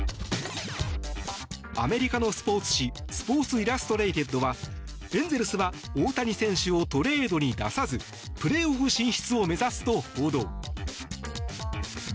アメリカのスポーツ誌「スポーツ・イラストレイテッド」はエンゼルスは大谷選手をトレードに出さずプレーオフ進出を目指すと報道。